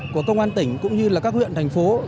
của công an tỉnh cũng như là các huyện thành phố